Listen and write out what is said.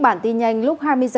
bản tin nhanh lúc hai mươi h